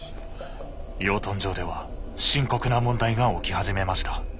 養豚場では深刻な問題が起き始めました。